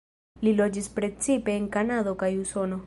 Li loĝis precipe en Kanado kaj Usono.